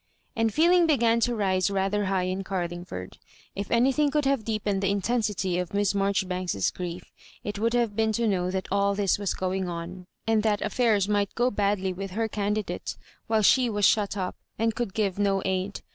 And feeling began to rise rather high in Oar lingford. Lf anything could have deepened the > intensity of Miss Marjoribanks's grief, it would have been to know that all this was going on, and that affairs might go badly with her candi date, while she was shut up, and could give no aid.